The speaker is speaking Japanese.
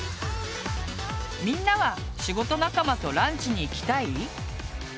みんなは仕事仲間とランチに行きたい？